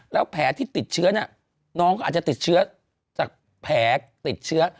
แล้วแผลที่ติดเชื้อน้องก็อาจจะติดเชื้อจากแผลติดเชื้อ